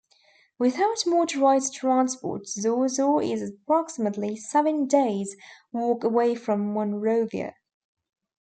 Without motorised transport, Zorzor is approximately seven days' walk away from Monrovia.